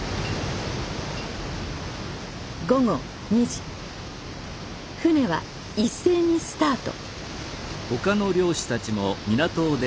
午後２時船は一斉にスタート。